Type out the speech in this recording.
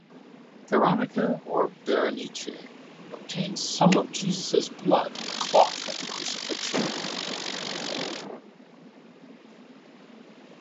Veronica or Berenice obtained some of Jesus' blood on a cloth at the Crucifixion.